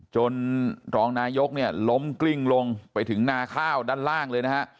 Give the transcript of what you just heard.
รองนายกเนี่ยล้มกลิ้งลงไปถึงนาข้าวด้านล่างเลยนะฮะ